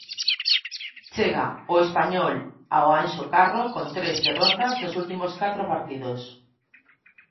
Chega o Español ao Anxo Carro con tres derrotas nos últimos catro partidos.